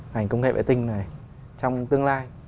ngành công nghệ vệ tinh này trong tương lai